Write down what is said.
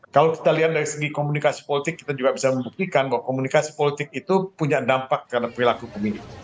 kalau kita lihat dari segi komunikasi politik kita juga bisa membuktikan bahwa komunikasi politik itu punya dampak karena perilaku pemilih